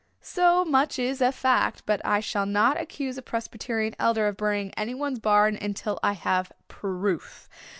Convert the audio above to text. So much is a fact but I shall not accuse a Presbyterian elder of burning anybody's barn until I have proof.